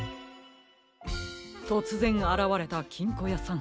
とつぜんあらわれたきんこやさん。